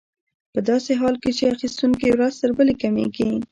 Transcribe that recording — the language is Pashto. په داسې حال کې چې اخیستونکي ورځ تر بلې کمېږي